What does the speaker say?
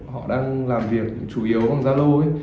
họ đang làm việc chủ yếu bằng zalo